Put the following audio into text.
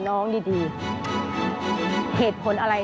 สวัสดีครับ